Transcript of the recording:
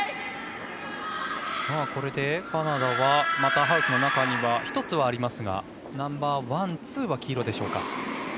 これでカナダはまたハウスの中には１つはありますがナンバーワン、ツーは黄色でしょうか。